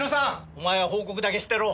お前は報告だけしてろ。